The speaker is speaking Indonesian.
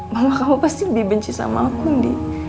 mama kamu pasti lebih benci sama aku di